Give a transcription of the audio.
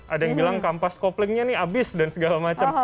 ada yang bilang kampas koplingnya nih habis dan segala macam